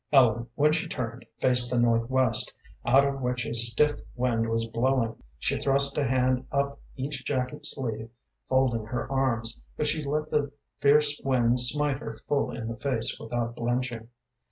Ellen, when she turned, faced the northwest, out of which a stiff wind was blowing. She thrust a hand up each jacket sleeve, folding her arms, but she let the fierce wind smite her full in the face without blenching.